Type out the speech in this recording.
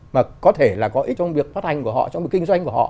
mà có thể là có ích trong việc phát hành của họ trong việc kinh doanh của họ